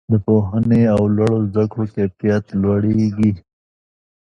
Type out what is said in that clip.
د پوهنې او لوړو زده کړو کیفیت لوړیږي.